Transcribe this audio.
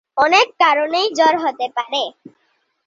অনেক কারণেই জ্বর হতে পারে।